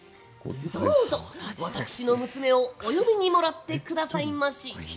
どうぞ私の娘をお嫁にもらってくださいまし。